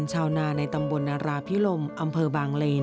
ชาวนาในตำบลนาราพิลมอำเภอบางเลน